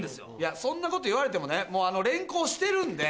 そんなこと言われてもねもう連行してるんで。